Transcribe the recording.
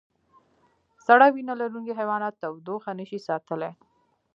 سړه وینه لرونکي حیوانات تودوخه نشي ساتلی